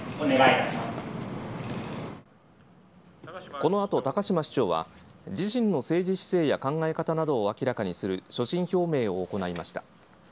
このあと高島市長は自身の政治姿勢や考え方などを明らかにする所信表明を行いました。